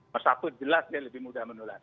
pertama jelas lebih mudah menular